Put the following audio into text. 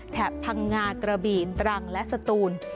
พังงากระบี่ตรังและสตูน